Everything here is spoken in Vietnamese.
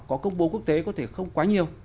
có công bố quốc tế có thể không quá nhiều